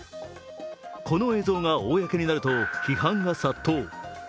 この映像が公になると批判が殺到。